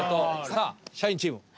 さあ社員チーム。